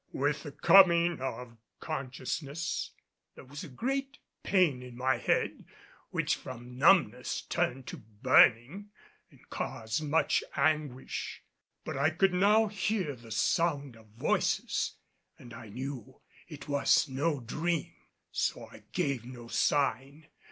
With the coming of consciousness there was a great pain in my head, which from numbness turned to burning and caused much anguish. But I could now hear the sound of voices and I knew it was no dream, so I gave no sign.